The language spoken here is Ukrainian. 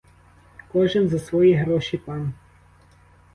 Кожен за свої гроші пан!